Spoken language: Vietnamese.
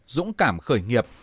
dũng cảm khởi nghiệp